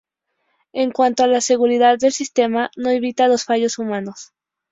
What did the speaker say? En cuanto a la seguridad el sistema no evita los fallos humanos.